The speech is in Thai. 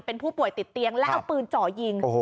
เป็นผู้ป่วยติดเตียงแล้วเอาปืนเจาะยิง